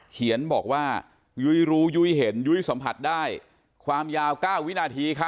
เขียนบอกว่ายุ้ยรู้ยุ้ยเห็นยุ้ยสัมผัสได้ความยาว๙วินาทีค่ะ